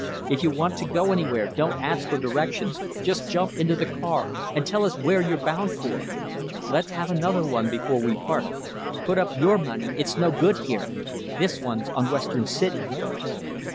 If you want to go anywhere, don't ask for directions. Just jump into the car and tell us where you're bound for. "Let's have another one before we part. Put up your money; it's no good here. This one's on Western City."